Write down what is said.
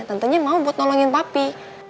tantenya mau buat nolongin papi